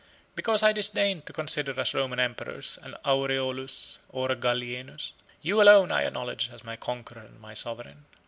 "Because I disdained to consider as Roman emperors an Aureolus or a Gallienus. You alone I acknowledge as my conqueror and my sovereign."